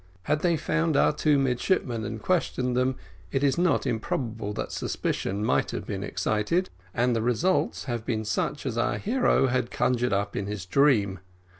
Had they found our two midshipmen and questioned them, it is not improbable that suspicion might have been excited, and the results have been such as our hero had conjured up in his dream.